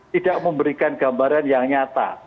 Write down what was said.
tidak memberikan gambaran yang nyata